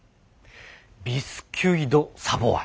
ビスキュイ・ド・サヴォワ。